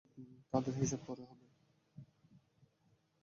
তাদের হিসাব পরে হবে।